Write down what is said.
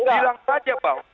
bilang saja bahwa